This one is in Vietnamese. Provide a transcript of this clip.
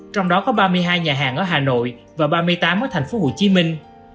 trong đó có ba mươi hai nhà hàng ở hà nội và ba mươi tám ở thành phố hồ chí minh